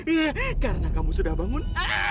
iya karena kamu sudah bangun